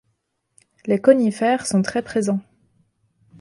Les conifères sont très présents.